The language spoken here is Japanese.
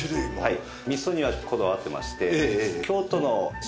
はい。